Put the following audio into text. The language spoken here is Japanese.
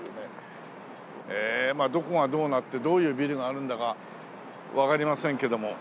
えどこがどうなってどういうビルがあるんだかわかりませんけども。